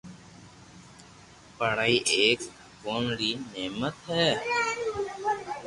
پڙائي ايڪ ڀگوان ري نعمت ھي